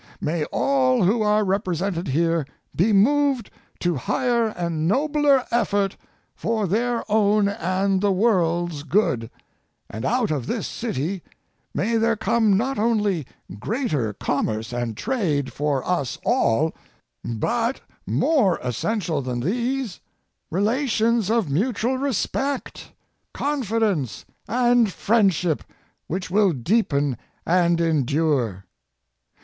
May all who are represented here be moved to higher and nobler effort for their own and the world's good, and out of this city may there come not only greater commerce and trade for us all, but, more essential than these, relations of mutual respect, confidence, and friendship which will deepen and endure.